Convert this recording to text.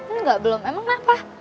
enggak belum emang kenapa